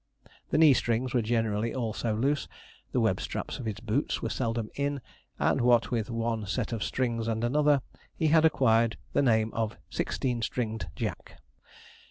The knee strings were generally also loose; the web straps of his boots were seldom in; and, what with one set of strings and another, he had acquired the name of Sixteen string'd Jack.